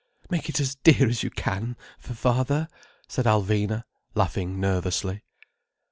"Make it as dear as you can, for father," said Alvina, laughing nervously.